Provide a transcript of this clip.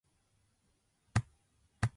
机の上がごちゃごちゃしている。